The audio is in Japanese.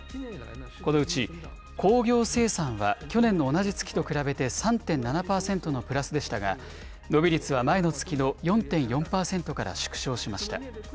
このうち、工業生産は去年の同じ月と比べて３．７％のプラスでしたが、伸び率は前の月の４．４％から縮小しました。